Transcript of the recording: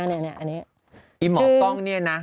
อันนี้ไอ้หมอกล้องเนี่ยนะ